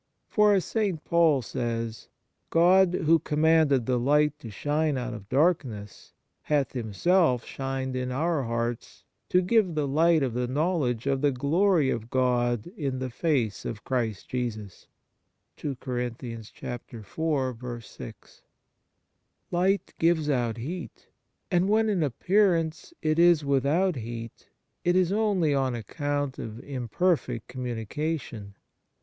For, as St. Paul says, " God, who com manded the light to shine out of darkness, hath Himself shined in our hearts to give the light of the knowledge of the glory of God in the face of Christ Jesus." 1 Light gives out heat, and when in appearance it is without heat it is only on account of imperfect communication.